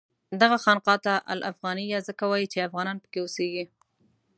دغه خانقاه ته الافغانیه ځکه وایي چې افغانان پکې اوسېږي.